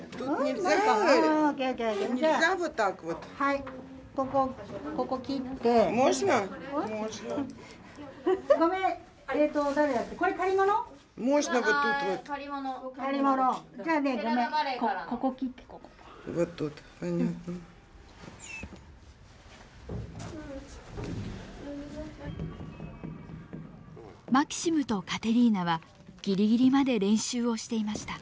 マキシムとカテリーナはギリギリまで練習をしていました。